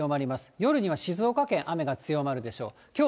夜には静岡県、雨が強まるでしょう。